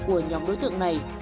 của nhóm đối tượng này